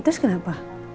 ya terus kenapa